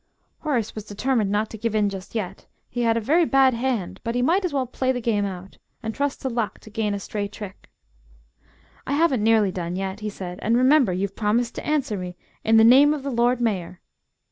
Horace was determined not to give in just yet; he had a very bad hand, but he might as well play the game out and trust to luck to gain a stray trick. "I haven't nearly done yet," he said. "And, remember, you've promised to answer me in the name of the Lord Mayor!"